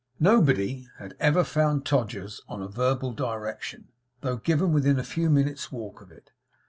Nobody had ever found Todgers's on a verbal direction, though given within a few minutes' walk of it.